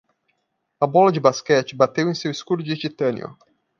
A bola de basquete bateu em seu escudo de titânio.